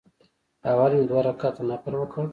اول مې دوه رکعته نفل وکړ.